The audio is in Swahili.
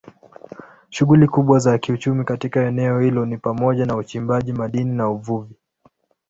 Shughuli kubwa za kiuchumi katika eneo hilo ni pamoja na uchimbaji madini na uvuvi.